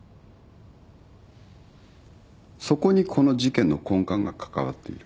そこにこの事件の根幹が関わっている。